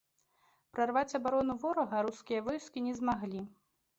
Прарваць абарону ворага рускія войскі не змаглі.